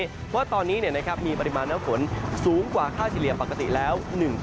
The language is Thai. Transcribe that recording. เพราะว่าตอนนี้มีปริมาณน้ำฝนสูงกว่าค่าเฉลี่ยปกติแล้ว